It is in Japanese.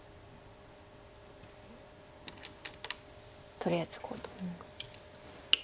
とりあえずコウと。